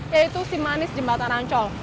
yaitu si manis jembatan ancol